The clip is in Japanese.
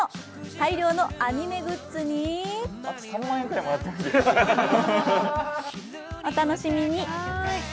大量のアニメグッズにお楽しみに。